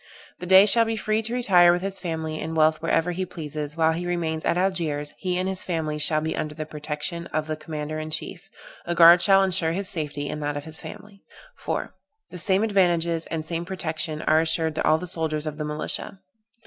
The Dey shall be free to retire with his family and wealth wherever he pleases. While he remains at Algiers he and his family shall be under the protection of the commander in chief. A guard shall insure his safety, and that of his family. "4. The same advantages, and same protection are assured to all the soldiers of the militia.